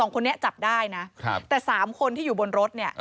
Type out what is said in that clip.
คนนี้จับได้นะแต่๓คนที่อยู่บนรถเนี่ย